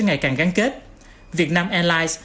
ngày càng gắn kết vietnam airlines